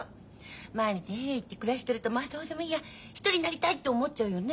毎日ヘイヘイって暮らしてるとまあどうでもいいや一人になりたいって思っちゃうよね。